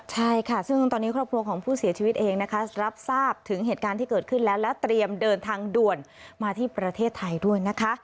ใช่ค่ะซึ่งตอนนี้ครอบครัวของผู้เสียชีวิตเองนะคะรับทราบถึงเหตุการณ์ที่เกิดขึ้นแล้วและเตรียมเดินทางด่วนมาที่ประเทศไทยด้วยนะคะ